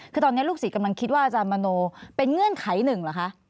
คือตอนนี้ลูกศิษย์กำลังคิดว่าอาจารย์มโนเป็นเงื่อนไขหนึ่งเหรอคะ